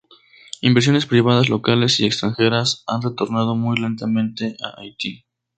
Inversiones privadas locales y extranjeras han retornado muy lentamente a Haití.